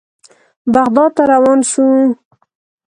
بغداد ته روان شوو.